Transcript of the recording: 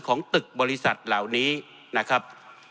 ของตึกบริษัทเหล่านี้นะครับ